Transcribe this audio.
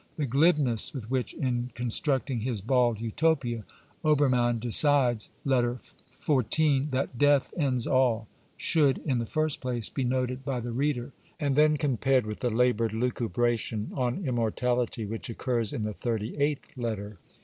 The glibness with which, in constructing his bald Utopia, Obermann decides (Letter XIV.) that death ends all, should, in the first place, be noted by the reader and then compared with the laboured lucubration on immortality which occurs in the thirty eighth letter.